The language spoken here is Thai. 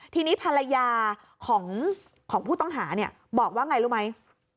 ทีนี้ภรรยาของผู้ต้องหาบอกว่าไงรู้ไหม